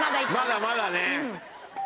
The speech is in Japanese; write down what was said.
まだまだね。